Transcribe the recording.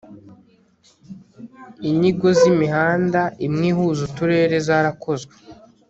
inyigo z'imihanda imwe ihuza uturere zarakozwe